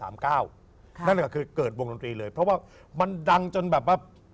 นั่นแหละก็คือเกิดวงดนตรีเลยเพราะว่ามันดังจนแบบว่า